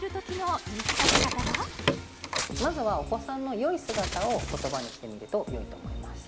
まずはお子さんのよい姿を言葉にしてみるとよいと思います